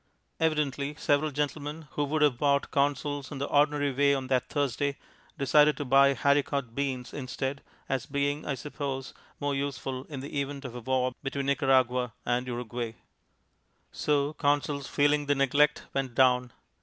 Evidently, several gentlemen, who would have bought Consols in the ordinary way on that Thursday, decided to buy Haricot Beans instead, as being, I suppose, more useful in the event of a war between Nicaragua and Uruguay. So Consols feeling the neglect, went down.